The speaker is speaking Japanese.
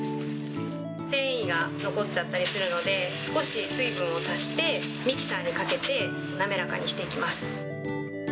繊維が残っちゃったりするので、少し水分を足して、ミキサーにかけて滑らかにしていきます。